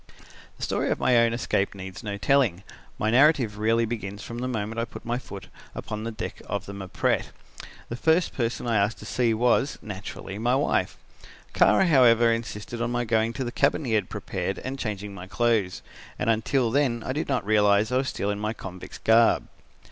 "The story of my own escape needs no telling. My narrative really begins from the moment I put my foot upon the deck of the Mpret. The first person I asked to see was, naturally, my wife. Kara, however, insisted on my going to the cabin he had prepared and changing my clothes, and until then I did not realise I was still in my convict's garb.